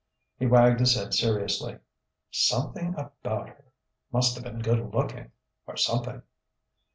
He wagged his head seriously. "Something about her!... Must've been good looking ... or something...."